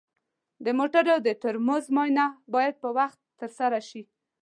د موټرو د ترمز معاینه باید په وخت ترسره شي.